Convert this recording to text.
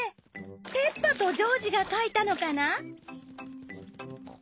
ペッパとジョージが描いたのかな？